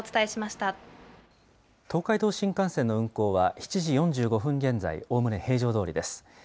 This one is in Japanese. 東海道新幹線の運行は７時４５分現在おおむね平常どおりです。